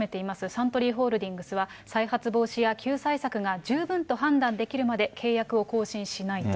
サントリーホールディングスは再発防止や救済策が十分と判断できるまで、契約を更新しないと。